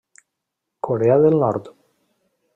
Corea del Nord.